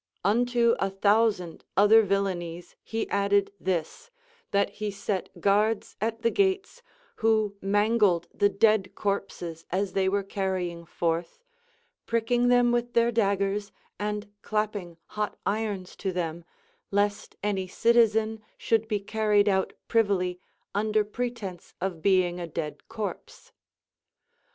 Unto a thousand other Λdllanies he added this, that he set guards at the gates, who mangled the dead corpses as they were carrying forth, pricking them with their daggers and clapping hot irons to them, lest any citizen should be car ried out privily under pretence of being a dead corpse.